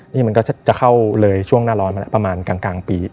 นี่มันก็จะเข้าเลยช่วงหน้าร้อนมาแล้วประมาณกลางปี